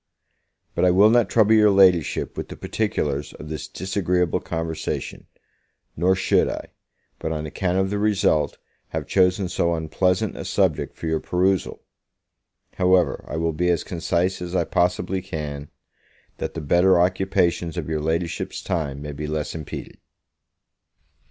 But I will not trouble your Ladyship with the particulars of this disagreeable conversation; nor should I, but on account of the result, have chosen so unpleasant a subject for your perusal. However, I will be as concise as I possibly can, that the better occupations of your Ladyship's time may be less impeded.